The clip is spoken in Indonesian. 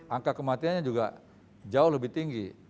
angka kematiannya juga jauh lebih tinggi